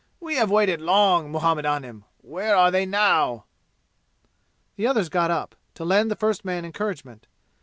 "We have waited long, Muhammad Anim. Where are they now?" The others got up, to lend the first man encouragement.